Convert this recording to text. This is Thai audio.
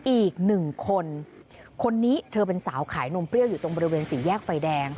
อีกหนึ่งคนคนนี้เธอเป็นสาวขายนมเปรี้ยวอยู่ตรงบริเวณสี่แยกไฟแดง